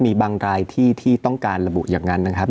มีบางรายที่ที่ต้องการระบุอย่างนั้นนะครับ